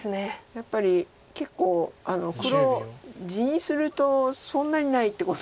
やっぱり結構黒地にするとそんなにないってことなんです。